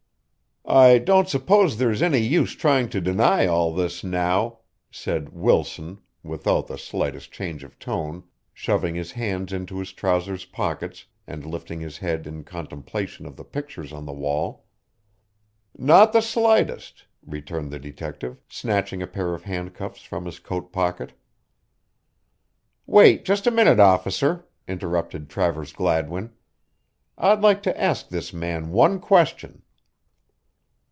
"I don't suppose there's any use trying to deny all this now," said Wilson, without the slightest change of tone, shoving his hands into his trousers pockets and lifting his head in contemplation of the pictures on the wall. "Not the slightest," returned the detective, snatching a pair of handcuffs from his coat pocket. "Wait just a moment, officer," interrupted Travers Gladwin. "I'd like to ask this man one question."